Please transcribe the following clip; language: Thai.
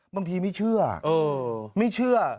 บางทีไม่เชื่อไม่เชื่อ